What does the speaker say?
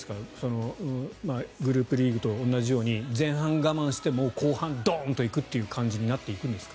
グループリーグと同じように、前半我慢して後半ドーンと行くという感じになっていくんですか？